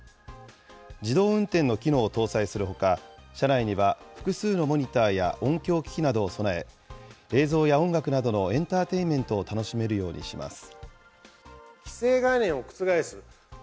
自動運転の機能を搭載するほか、車内には複数のモニターや音響機器などを備え、映像や音楽などのエンターテインメントを楽しめるようにします。